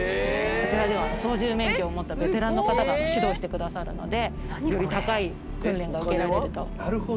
こちらでは操縦免許を持ったベテランの方が指導してくださるのでより高い訓練が受けられる。